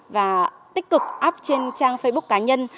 và tích cực up trên trang facebook cá nhân